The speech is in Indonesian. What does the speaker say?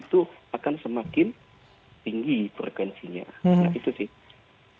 itu akan semakin tinggi frekuensinya nah itu sih